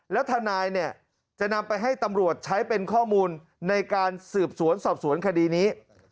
แล้วทนายเนี่ยจะนำไปให้ตำรวจใช้เป็นข้อมูลในการสืบสวนสอบสวนคดีนี้